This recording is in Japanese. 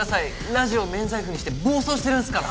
ラジオを免罪符にして暴走してるんすから！